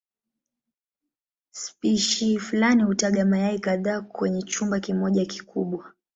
Spishi fulani hutaga mayai kadhaa kwenye chumba kimoja kikubwa.